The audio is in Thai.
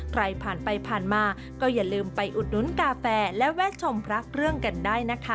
ใครผ่านไปผ่านมาก็อย่าลืมไปอุดหนุนกาแฟและแวะชมพระเครื่องกันได้นะคะ